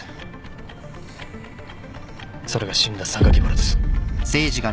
それが死んだ榊原です。